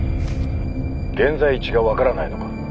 現在地が分からないのか？